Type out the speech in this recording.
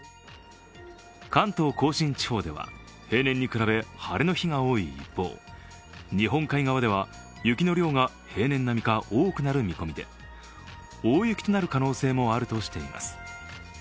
関東甲信地方では、平年に比べ晴れの日が多い一方日本海側では雪の量が平年並みか多くなる見込みで大雪となる可能性もあるとしています。